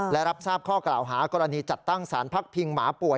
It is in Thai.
และรับทราบข้อกล่าวหากรณีจัดตั้งสารพักพิงหมาป่วย